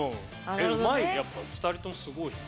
うまいやっぱ二人ともすごいな。